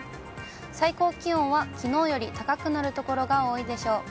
最高気温はきのうより高くなる所が多いでしょう。